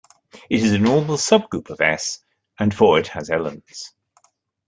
It is a normal subgroup of S, and for it has elements.